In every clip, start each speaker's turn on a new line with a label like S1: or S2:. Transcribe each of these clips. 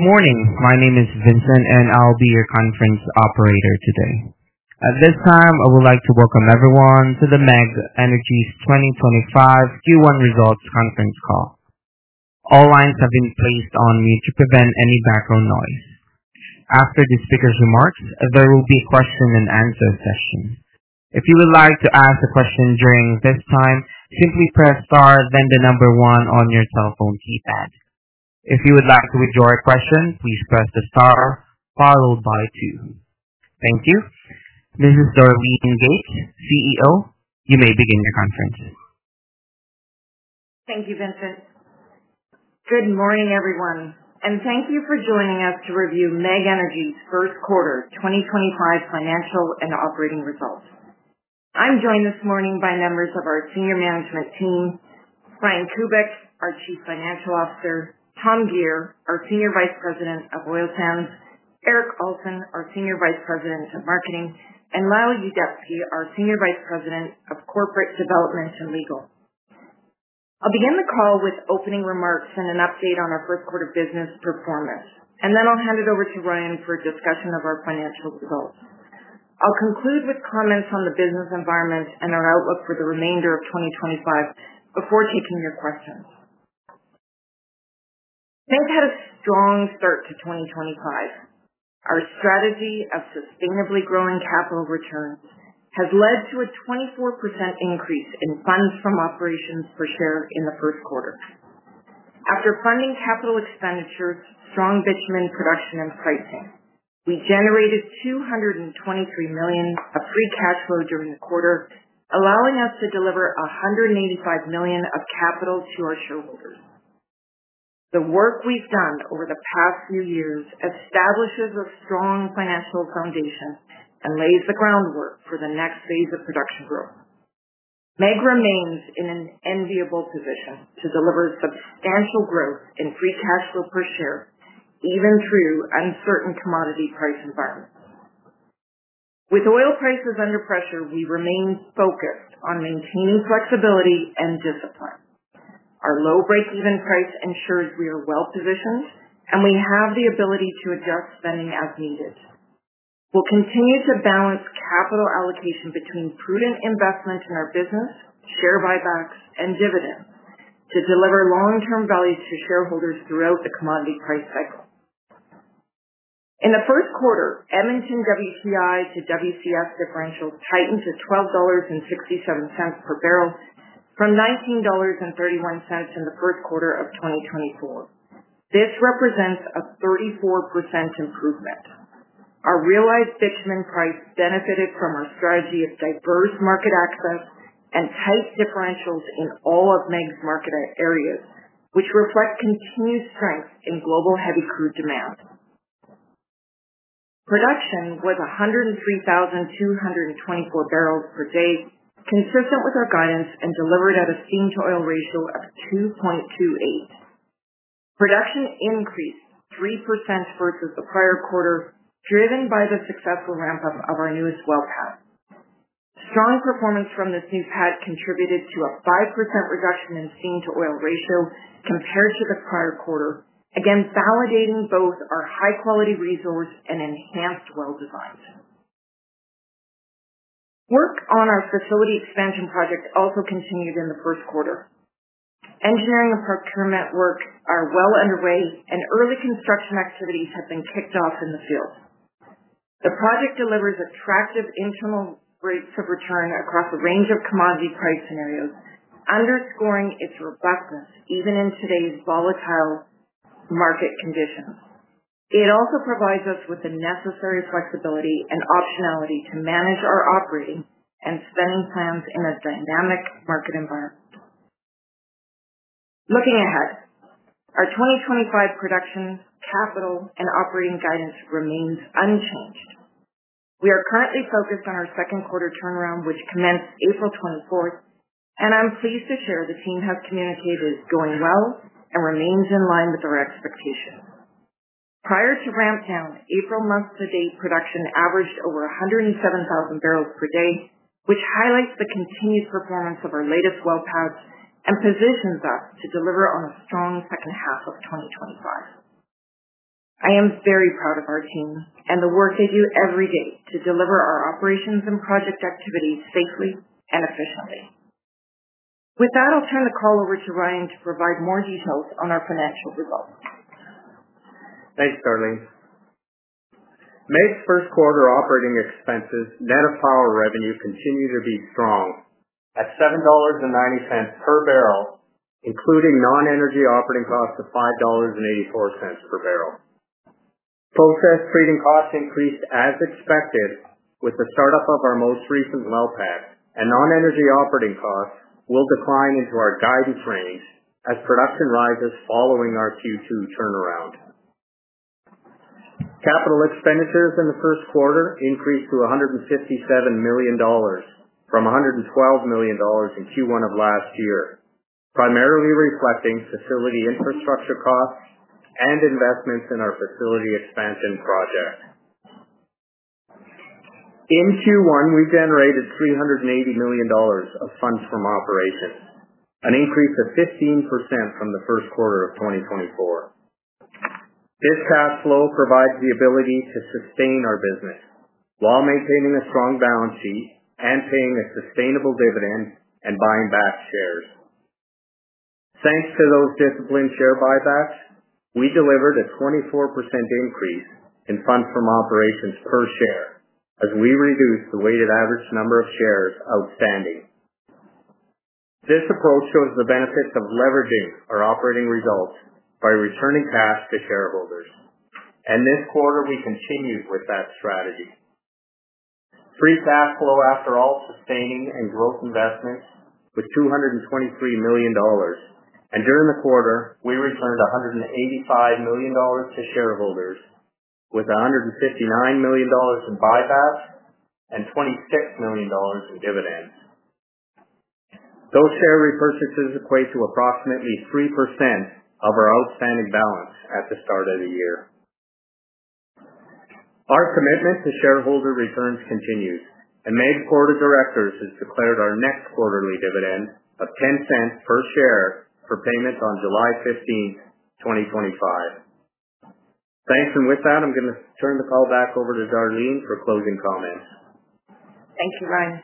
S1: Good morning. My name is Vincent, and I'll be your conference operator today. At this time, I would like to welcome everyone to the MEG Energy 2025 Q1 results conference call. All lines have been placed on mute to prevent any background noise. After the speaker's remarks, there will be a question-and-answer session. If you would like to ask a question during this time, simply press star, then the number one on your cell phone keypad. If you would like to withdraw a question, please press the star followed by two. Thank you. Mrs. Darlene Gates, CEO, you may begin your conference.
S2: Thank you, Vincent. Good morning, everyone, and thank you for joining us to review MEG Energy's first quarter 2025 financial and operating results. I'm joined this morning by members of our senior management team; Ryan Kubik, our Chief Financial Officer, Tom Gear, our Senior Vice President of Oil Sands, Erik Alson, our Senior Vice President of Marketing, and Lyle Yuzdepski, our Senior Vice President of Corporate Development and Legal. I'll begin the call with opening remarks and an update on our first quarter business performance, and then I'll hand it over to Ryan for a discussion of our financial results. I'll conclude with comments on the business environment and our outlook for the remainder of 2025 before taking your questions. MEG had a strong start to 2025. Our strategy of sustainably growing capital returns has led to a 24% increase in funds from operations per share in the first quarter. After funding capital expenditures, strong bitumen production, and pricing, we generated 223 million of free cash flow during the quarter, allowing us to deliver 185 million of capital to our shareholders. The work we've done over the past few years establishes a strong financial foundation and lays the groundwork for the next phase of production growth. MEG remains in an enviable position to deliver substantial growth in free cash flow per share, even through uncertain commodity price environments. With oil prices under pressure, we remain focused on maintaining flexibility and discipline. Our low break-even price ensures we are well positioned, and we have the ability to adjust spending as needed. We'll continue to balance capital allocation between prudent investment in our business, share buybacks, and dividends to deliver long-term value to shareholders throughout the commodity price cycle. In the first quarter, Edmonton WTI to WCS differentials tightened to 12.67 dollars per barrel from 19.31 dollars in the first quarter of 2024. This represents a 34% improvement. Our realized bitumen price benefited from our strategy of diverse market access and tight differentials in all of MEG's market areas, which reflects continued strength in global heavy crude demand. Production was 103,224 barrels per day, consistent with our guidance, and delivered at a steam-to-oil ratio of 2.28. Production increased 3% versus the prior quarter, driven by the successful ramp-up of our newest well path. Strong performance from this new path contributed to a 5% reduction in steam-to-oil ratio compared to the prior quarter, again validating both our high-quality resource and enhanced well designs. Work on our facility expansion project also continued in the first quarter. Engineering and procurement work are well underway, and early construction activities have been kicked off in the field. The project delivers attractive internal rates of return across a range of commodity price scenarios, underscoring its robustness even in today's volatile market conditions. It also provides us with the necessary flexibility and optionality to manage our operating and spending plans in a dynamic market environment. Looking ahead, our 2025 production capital and operating guidance remains unchanged. We are currently focused on our second quarter turnaround, which commenced April 24th, and I'm pleased to share the team has communicated is going well and remains in line with our expectations. Prior to ramp-down, April month-to-date production averaged over 107,000 barrels per day, which highlights the continued performance of our latest well paths and positions us to deliver on a strong second half of 2025. I am very proud of our team and the work they do every day to deliver our operations and project activities safely and efficiently. With that, I'll turn the call over to Ryan to provide more details on our financial results.
S3: Thanks, Darlene. MEG's first quarter operating expenses, net of power revenue, continue to be strong at 7.90 dollars per barrel, including non-energy operating costs of CAD 5.84 per barrel. Processed treating costs increased as expected with the startup of our most recent well path, and non-energy operating costs will decline into our guidance range as production rises following our Q2 turnaround. Capital expenditures in the first quarter increased to 157 million dollars from 112 million dollars in Q1 of last year, primarily reflecting facility infrastructure costs and investments in our facility expansion project. In Q1, we generated 380 million dollars of funds from operations, an increase of 15% from the first quarter of 2024. This cash flow provides the ability to sustain our business while maintaining a strong balance sheet and paying a sustainable dividend and buying back shares. Thanks to those disciplined share buybacks, we delivered a 24% increase in funds from operations per share as we reduced the weighted average number of shares outstanding. This approach shows the benefits of leveraging our operating results by returning cash to shareholders, and this quarter we continued with that strategy. Free cash flow after all sustaining and growth investments was 223 million dollars, and during the quarter, we returned 185 million dollars to shareholders with 159 million dollars in buybacks and 26 million dollars in dividends. Those share repurchases equate to approximately 3% of our outstanding balance at the start of the year. Our commitment to shareholder returns continues, and MEG's board of directors has declared our next quarterly dividend of 0.10 per share for payment on July 15, 2025. Thanks, and with that, I'm going to turn the call back over to Darlene for closing comments.
S2: Thank you, Ryan.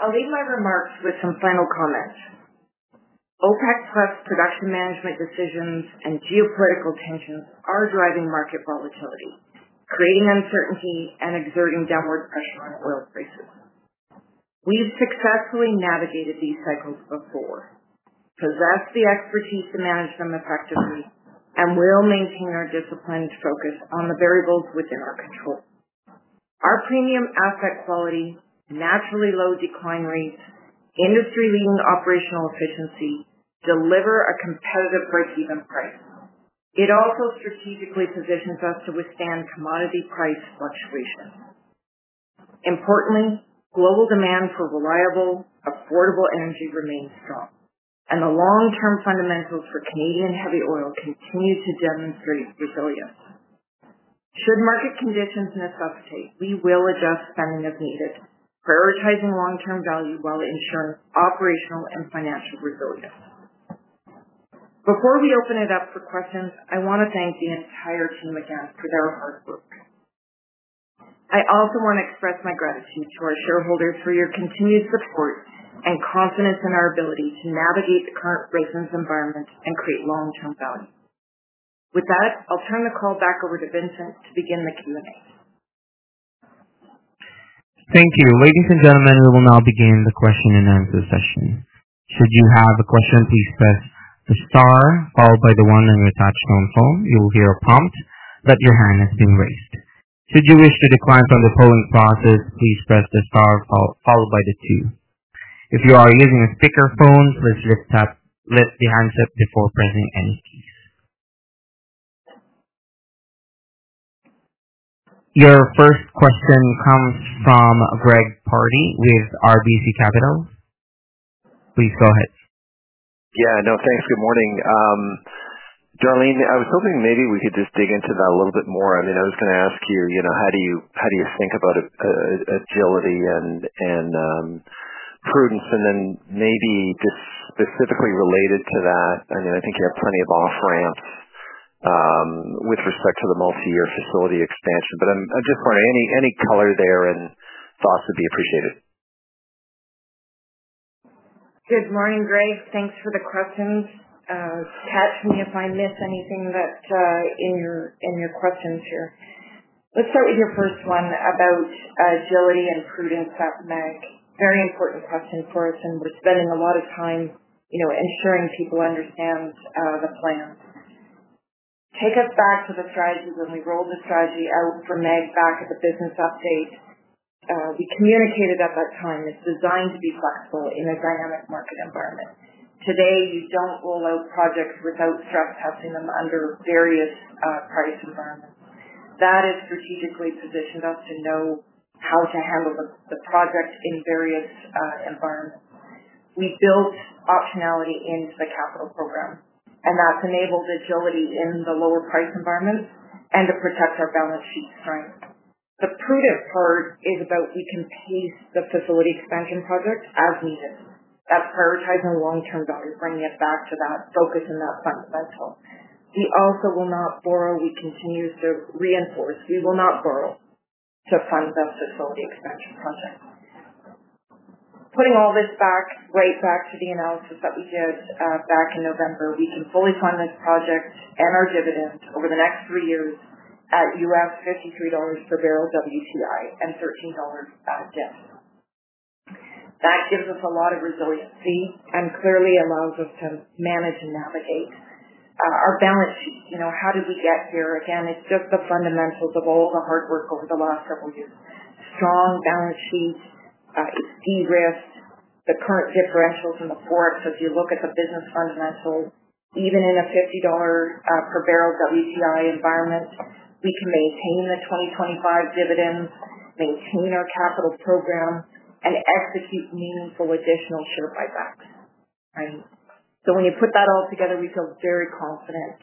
S2: I'll leave my remarks with some final comments. OPEC Plus production management decisions and geopolitical tensions are driving market volatility, creating uncertainty and exerting downward pressure on oil prices. We've successfully navigated these cycles before, possess the expertise to manage them effectively, and will maintain our disciplined focus on the variables within our control. Our premium asset quality, naturally low decline rates, and industry-leading operational efficiency deliver a competitive break-even price. It also strategically positions us to withstand commodity price fluctuations. Importantly, global demand for reliable, affordable energy remains strong, and the long-term fundamentals for Canadian heavy oil continue to demonstrate resilience. Should market conditions necessitate, we will adjust spending as needed, prioritizing long-term value while ensuring operational and financial resilience. Before we open it up for questions, I want to thank the entire team again for their hard work. I also want to express my gratitude to our shareholders for your continued support and confidence in our ability to navigate the current business environment and create long-term value. With that, I'll turn the call back over to Vincent to begin the Q&A.
S1: Thank you. Ladies and gentlemen, we will now begin the question and answer session. Should you have a question, please press the star followed by the one on your touch controls. You will hear a prompt that your hand has been raised. Should you wish to decline from the polling process, please press the star followed by the two. If you are using a speakerphone, please lift the handset before pressing any keys. Your first question comes from Greg Pardy with RBC Capital. Please go ahead.
S4: Yeah, no, thanks. Good morning. Darlene, I was hoping maybe we could just dig into that a little bit more. I mean, I was going to ask you, you know, how do you think about agility and prudence? And then maybe just specifically related to that, I mean, I think you have plenty of off-ramps with respect to the multi-year facility expansion. I am just wondering, any color there and thoughts would be appreciated.
S2: Good morning, Greg. Thanks for the questions. Catch me if I miss anything in your questions here. Let's start with your first one about agility and prudence at MEG. Very important question for us, and we're spending a lot of time ensuring people understand the plan. Take us back to the strategy when we rolled the strategy out for MEG back at the business update. We communicated at that time it's designed to be flexible in a dynamic market environment. Today, you don't roll out projects without stress testing them under various price environments. That has strategically positioned us to know how to handle the project in various environments. We built optionality into the capital program, and that's enabled agility in the lower price environment and to protect our balance sheet strength. The prudent part is about we can pace the facility expansion project as needed. That's prioritizing long-term value, bringing it back to that focus and that fundamental. We also will not borrow. We continue to reinforce. We will not borrow to fund the facility expansion project. Putting all this right back to the analysis that we did back in November, we can fully fund this project and our dividends over the next three years at 53 dollars per barrel WTI and 13 dollars at debt. That gives us a lot of resiliency and clearly allows us to manage and navigate our balance sheet. You know, how did we get here? Again, it's just the fundamentals of all the hard work over the last several years. Strong balance sheet, de-risk, the current differentials in the forks. As you look at the business fundamentals, even in a 50 dollar per barrel WTI environment, we can maintain the 2025 dividends, maintain our capital program, and execute meaningful additional share buybacks. When you put that all together, we feel very confident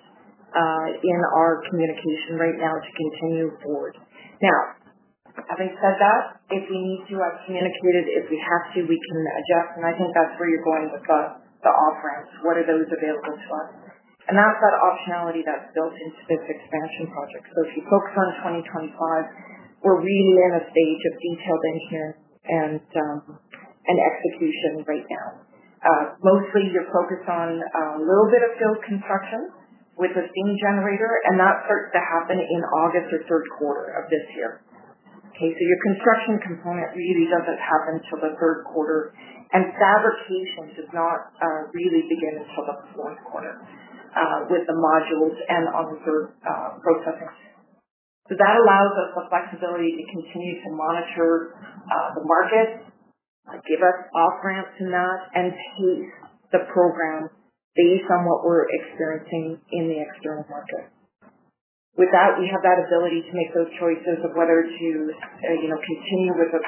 S2: in our communication right now to continue forward. Now, having said that, if we need to, I have communicated. If we have to, we can adjust, and I think that is where you are going with the off-ramps. What are those available to us? That is that optionality that is built into this expansion project. If you focus on 2025, we are really in a stage of detailed engineering and execution right now. Mostly, you are focused on a little bit of field construction with a steam generator, and that starts to happen in August or third quarter of this year. Okay, so your construction component really does not happen until the third quarter, and fabrication does not really begin until the fourth quarter with the modules and on the third processing. That allows us the flexibility to continue to monitor the market, give us off-ramps in that, and pace the program based on what we are experiencing in the external market. With that, we have that ability to make those choices of whether to continue with the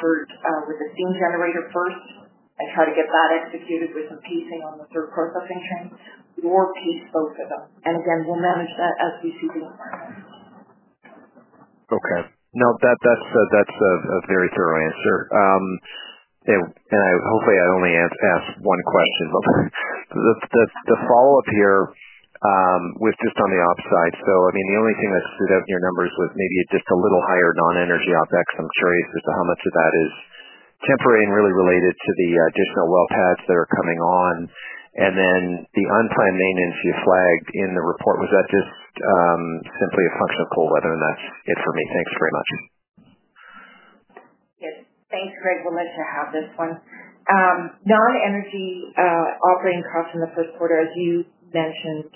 S2: steam generator first and try to get that executed with some pacing on the third processing chain, or pace both of them. Again, we will manage that as we see the environment.
S4: Okay. No, that's a very thorough answer. Hopefully, I only asked one question, but the follow-up here was just on the upside. I mean, the only thing that stood out in your numbers was maybe just a little higher non-energy OPEC. I'm curious as to how much of that is temporary and really related to the additional well pads that are coming on. The unplanned maintenance you flagged in the report, was that just simply a function of cold weather? That's it for me. Thanks very much.
S2: Yes. Thanks, Greg. We'll let you have this one. Non-energy operating costs in the first quarter, as you mentioned,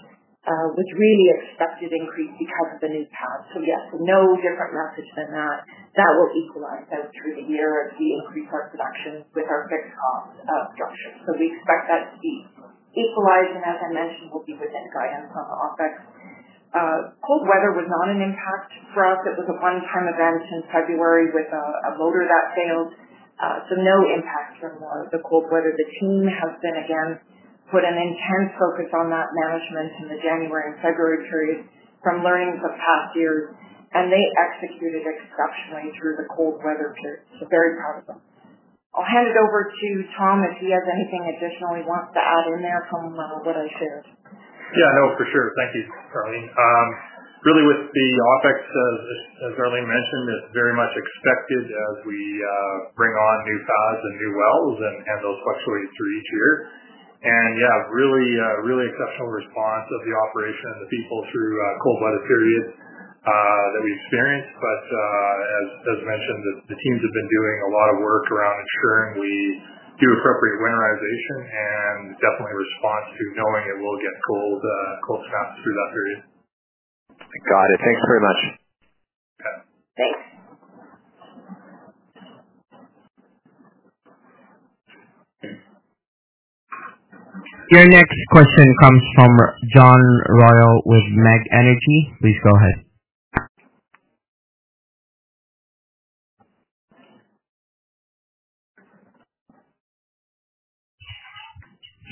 S2: was really expected increase because of the new path. Yes, no different message than that. That will equalize out through the year as we increase our production with our fixed cost structure. We expect that to be equalized, and as I mentioned, we'll be within guidance on the OPEC. Cold weather was not an impact for us. It was a one-time event in February with a motor that failed. No impact from the cold weather. The team has been, again, put an intense focus on that management in the January and February period from learnings of past years, and they executed exceptionally through the cold weather period. Very proud of them. I'll hand it over to Tom if he has anything additional he wants to add in there from what I shared.
S5: Yeah, no, for sure. Thank you, Darlene. Really, with the OPEC, as Darlene mentioned, it's very much expected as we bring on new pads and new wells and those fluctuate through each year. Yeah, really, really exceptional response of the operation and the people through a cold weather period that we experienced. As mentioned, the teams have been doing a lot of work around ensuring we do appropriate winterization and definitely respond to knowing it will get cold snaps through that period.
S4: Got it. Thanks very much.
S5: Okay.
S2: Thanks.
S1: Your next question comes from John Royal with MEG Energy. Please go ahead.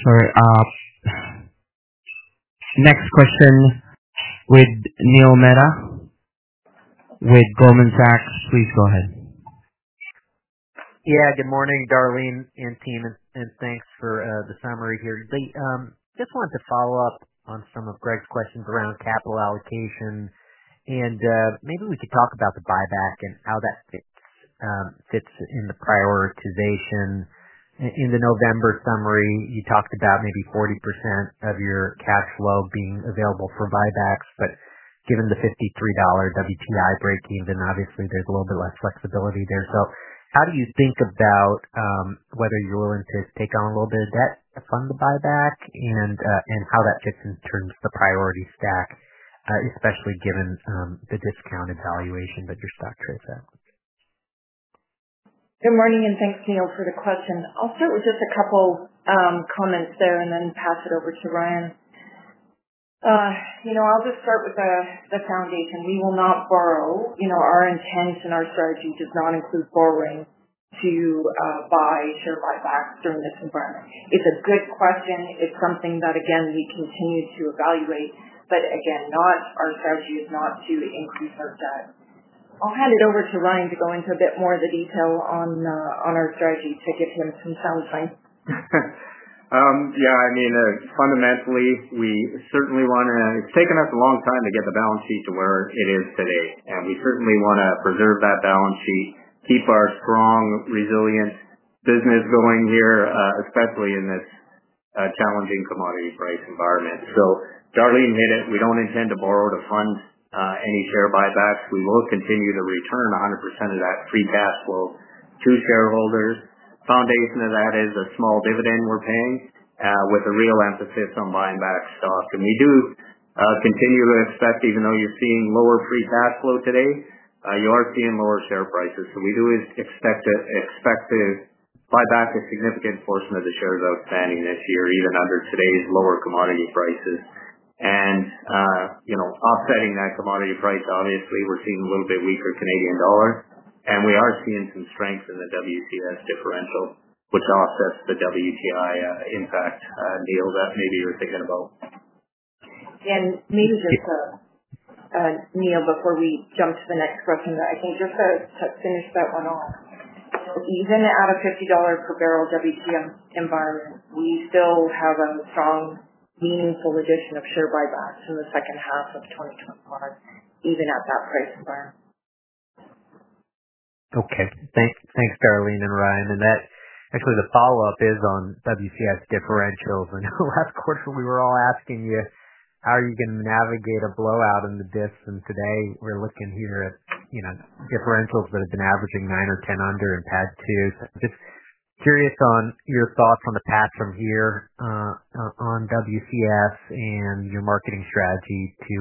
S1: Sorry. Next question with Neil Mehta with Goldman Sachs. Please go ahead.
S6: Yeah, good morning, Darlene and team, and thanks for the summary here. I just wanted to follow up on some of Greg's questions around capital allocation, and maybe we could talk about the buyback and how that fits in the prioritization. In the November summary, you talked about maybe 40% of your cash flow being available for buybacks, but given the 53 dollar WTI break-even, obviously there's a little bit less flexibility there. How do you think about whether you're willing to take on a little bit of debt to fund the buyback and how that fits in terms of the priority stack, especially given the discounted valuation that your stock trades at?
S2: Good morning, and thanks, Neil, for the question. I'll start with just a couple comments there and then pass it over to Ryan. You know, I'll just start with the foundation. We will not borrow. Our intent and our strategy does not include borrowing to buy share buybacks during this environment. It's a good question. It's something that, again, we continue to evaluate, but again, our strategy is not to increase our debt. I'll hand it over to Ryan to go into a bit more of the detail on our strategy to give him some soundsight.
S3: Yeah, I mean, fundamentally, we certainly want to—it's taken us a long time to get the balance sheet to where it is today, and we certainly want to preserve that balance sheet, keep our strong, resilient business going here, especially in this challenging commodity price environment. Darlene hit it. We do not intend to borrow to fund any share buybacks. We will continue to return 100% of that free cash flow to shareholders. Foundation of that is a small dividend we are paying with a real emphasis on buying back stock. We do continue to expect, even though you are seeing lower free cash flow today, you are seeing lower share prices. We do expect to buy back a significant portion of the shares outstanding this year, even under today's lower commodity prices. You know, offsetting that commodity price, obviously, we're seeing a little bit weaker Canadian dollar, and we are seeing some strength in the WCS differential, which offsets the WTI impact, Neil, that maybe you're thinking about.
S2: Maybe just a, Neil, before we jump to the next question, I think just to finish that one off, even out of CAD 50 per barrel WTI environment, we still have a strong, meaningful addition of share buybacks in the second half of 2025, even at that price environment.
S6: Okay. Thanks, Darlene and Ryan. Actually, the follow-up is on WCS differentials. Last quarter, we were all asking you, how are you going to navigate a blowout in the diffs? Today, we're looking here at differentials that have been averaging 9 or 10 under in pad two. I'm just curious on your thoughts on the patch from here on WCS and your marketing strategy to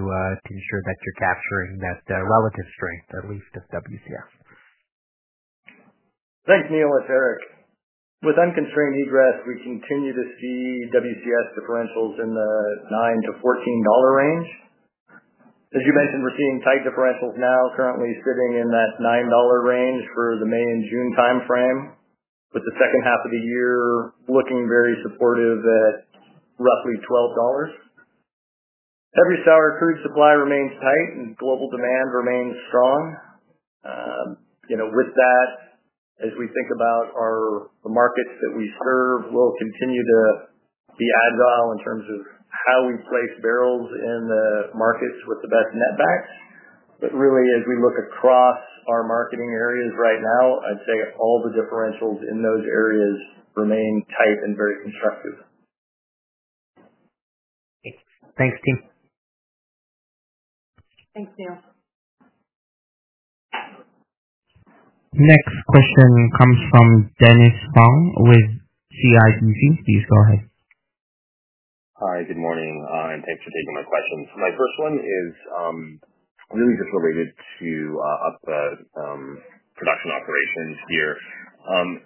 S6: ensure that you're capturing that relative strength, at least of WCS.
S3: Thanks, Neil and Erik. With unconstrained egress, we continue to see WCS differentials in the 9-14 dollar range. As you mentioned, we're seeing tight differentials now, currently sitting in that 9 dollar range for the May and June timeframe, with the second half of the year looking very supportive at roughly 12 dollars. Every sour crude supply remains tight, and global demand remains strong. You know, with that, as we think about the markets that we serve, we'll continue to be agile in terms of how we place barrels in the markets with the best netbacks. Really, as we look across our marketing areas right now, I'd say all the differentials in those areas remain tight and very constructive.
S6: Thanks, team.
S2: Thanks, Neil.
S1: Next question comes from Dennis Fong with CIBC. Please go ahead.
S7: Hi, good morning, and thanks for taking my questions. My first one is really just related to the production operations here.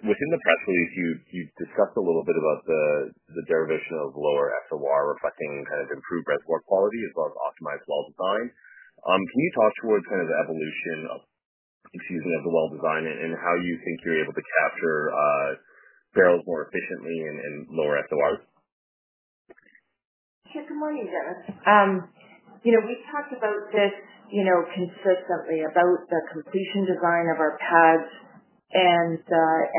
S7: Within the press release, you discussed a little bit about the derivation of lower SOR reflecting kind of improved reservoir quality as well as optimized well design. Can you talk towards kind of the evolution of, excuse me, of the well design and how you think you're able to capture barrels more efficiently and lower SORs?
S2: Yeah, good morning, Dennis. You know, we've talked about this consistently, about the completion design of our pads and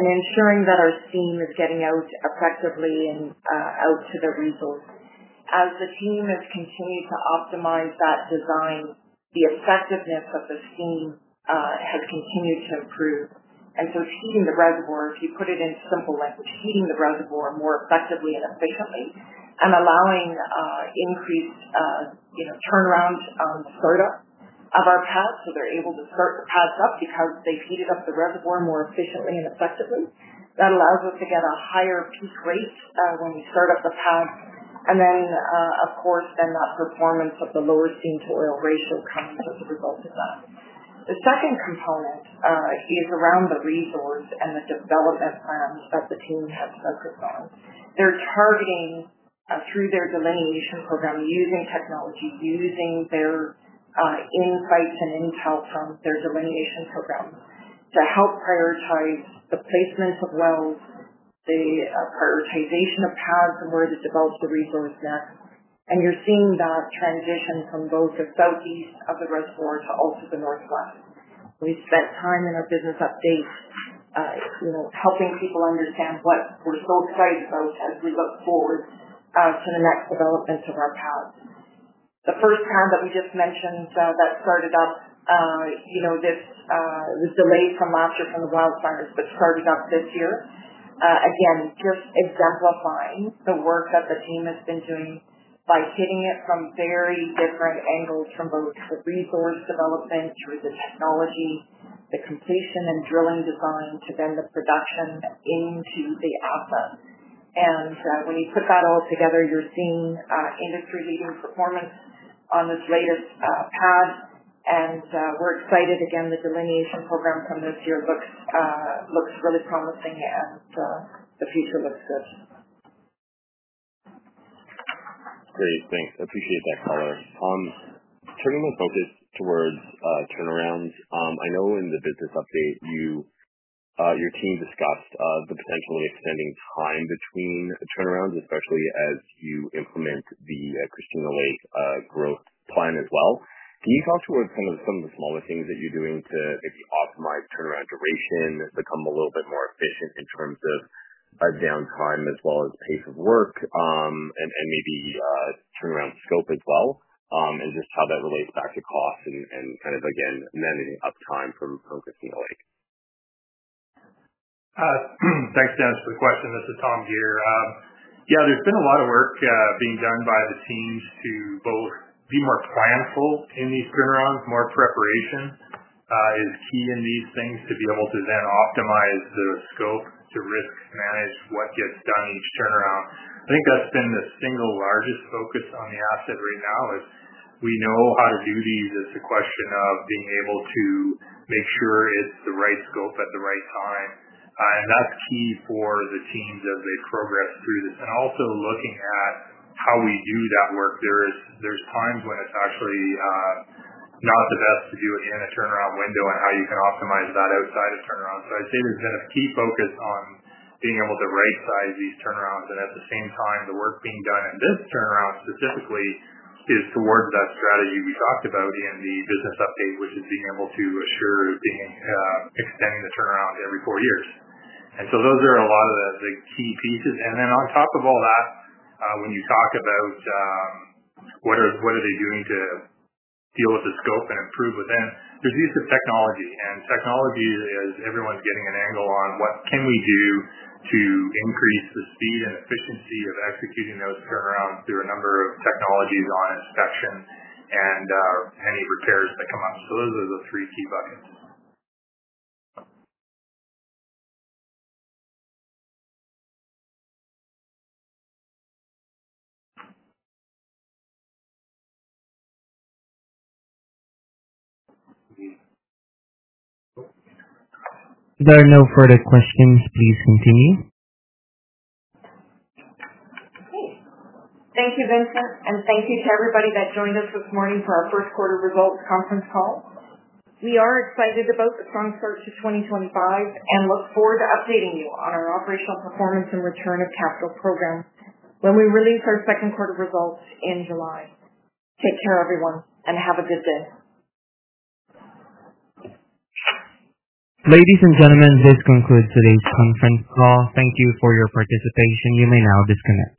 S2: ensuring that our steam is getting out effectively and out to the resource. As the team has continued to optimize that design, the effectiveness of the steam has continued to improve. It is heating the reservoir. If you put it in simple language, heating the reservoir more effectively and efficiently and allowing increased turnaround on the startup of our pads, so they're able to start the pads up because they've heated up the reservoir more efficiently and effectively. That allows us to get a higher peak rate when we start up the pads. Of course, then that performance of the lower steam-to-oil ratio comes as a result of that. The second component is around the resource and the development plans that the team has focused on. They're targeting through their delineation program, using technology, using their insights and intel from their delineation program to help prioritize the placement of wells, the prioritization of pads and where to develop the resource net. You're seeing that transition from both the Southeast of the reservoir to also the Northwest. We spent time in our business updates helping people understand what we're so excited about as we look forward to the next developments of our pads. The first pad that we just mentioned that started up, you know, this was delayed from last year from the wildfires, but started up this year. Again, just exemplifying the work that the team has been doing by hitting it from very different angles, from both the resource development through the technology, the completion and drilling design, to then the production into the asset. When you put that all together, you're seeing industry-leading performance on this latest pad. We're excited, again, the delineation program from this year looks really promising and the future looks good.
S7: Great. Thanks. I appreciate that. Turning my focus towards turnarounds, I know in the business update your team discussed the potential of extending time between turnarounds, especially as you implement the Christina Lake growth plan as well. Can you talk towards kind of some of the smaller things that you're doing to maybe optimize turnaround duration, become a little bit more efficient in terms of downtime as well as pace of work, and maybe turnaround scope as well, and just how that relates back to cost and kind of, again, managing uptime from Christina Lake?
S5: Thanks, Dennis, for the question. This is Tom Gear. Yeah, there's been a lot of work being done by the teams to both be more planful in these turnarounds. More preparation is key in these things to be able to then optimize the scope to risk manage what gets done each turnaround. I think that's been the single largest focus on the asset right now. We know how to do these as a question of being able to make sure it's the right scope at the right time. That is key for the teams as they progress through this. Also, looking at how we do that work, there are times when it's actually not the best to do it in a turnaround window and how you can optimize that outside of turnaround. I'd say there's been a key focus on being able to right-size these turnarounds. At the same time, the work being done in this turnaround specifically is towards that strategy we talked about in the business update, which is being able to assure extending the turnaround every four years. Those are a lot of the key pieces. On top of all that, when you talk about what are they doing to deal with the scope and improve within, there is use of technology. Technology is everyone's getting an angle on what can we do to increase the speed and efficiency of executing those turnarounds through a number of technologies on inspection and any repairs that come up. Those are the three key buckets.
S1: There are no further questions. Please continue.
S2: Okay. Thank you, Vincent, and thank you to everybody that joined us this morning for our first quarter results conference call. We are excited about the strong start to 2025 and look forward to updating you on our operational performance and return of capital programs when we release our second quarter results in July. Take care, everyone, and have a good day.
S1: Ladies and gentlemen, this concludes today's conference call. Thank you for your participation. You may now disconnect.